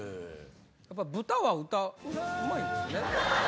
やっぱ豚は歌上手いんですね。